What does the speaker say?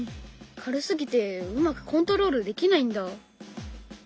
軽すぎてうまくコントロールできないんだ。